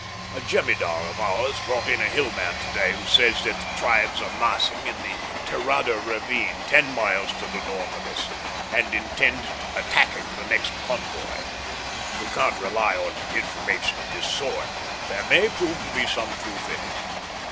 A jemidar of ours brought in a Hillman today, who says that the tribes are massing in the Terada ravine, ten miles to the north of us, and intend attacking the next convoy. We can't rely on information of this sort, but there may prove to be some truth in it.